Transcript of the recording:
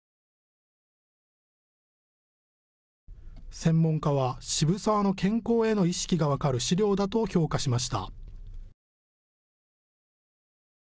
専門家は渋沢の健康への意識が分かる資料だと評価しました。